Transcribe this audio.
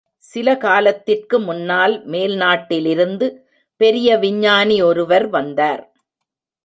சில காலத்திற்கு முன்னால் மேல்நாட்டிலிருந்து பெரிய விஞ்ஞானி ஒருவர் வந்தார்.